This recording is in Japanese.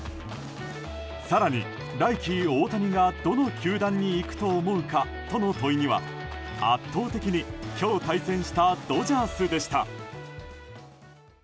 更に来期、大谷がどの球団に行くと思うかとの問いには圧倒的に今日対戦したドジャースでした。